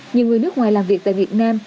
nhưng người nước ngoài làm việc tại việt nam